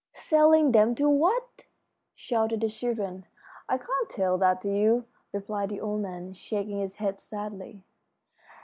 "Selling them to what?" shouted the children. "I can't tell that to you," replied the old man, shaking his head sadly.